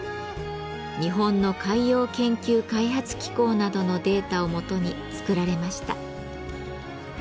日本の海洋研究開発機構などのデータを基に作られました。